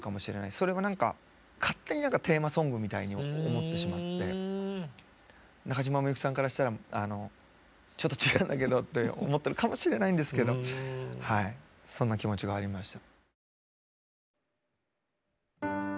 それは何か勝手に何かテーマソングみたいに思ってしまって中島みゆきさんからしたらちょっと違うんだけどって思ってるかもしれないんですけどはいそんな気持ちがありました。